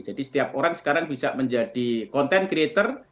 jadi setiap orang sekarang bisa menjadi content creator